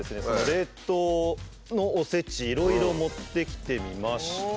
その冷凍のおせちいろいろ持ってきてみました。